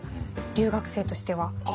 留学生としては。